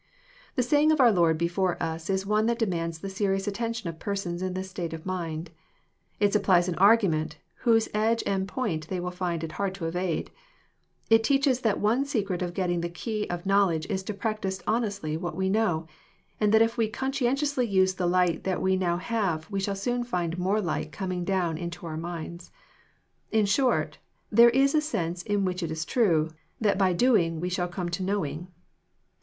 The saying of our Lord before us is one that demands the serious attention of persons in this state of mind. It supplies an argument whose edge and point they will find it hard to evade, v^t teaches that one secret of getting the key of knowledge is to practise honestly what we know, and that if we conscientiously use the light that we now have, we shall soon fina^ore light coming down into our minds. — In short, there is a sense in which it is true, that by doing Ve shalLcome to knowing.